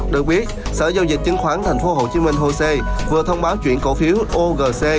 được biết sở giao dịch chứng khoán tp hcm hồ sê vừa thông báo chuyển cổ phiếu ogc